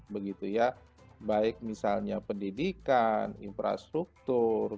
begitu ya baik misalnya pendidikan infrastruktur